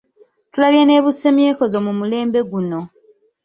Tulabye ne busemyekozo mu mulembe guno.